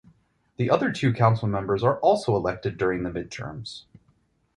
The other two council members are also elected during the midterms.